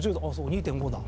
「２．５」だ。